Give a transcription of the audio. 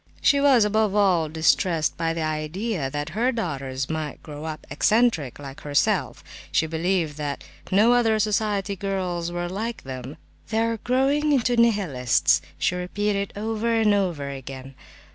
She was, above all distressed by the idea that her daughters might grow up "eccentric," like herself; she believed that no other society girls were like them. "They are growing into Nihilists!" she repeated over and over again.